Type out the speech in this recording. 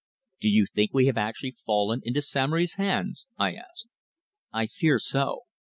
"Do you think we have actually fallen into Samory's hands?" I asked. "I fear so."